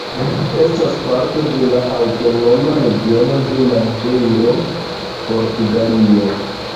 Estas parto de la Aŭtonoma Regiono de Madejro, Portugalio.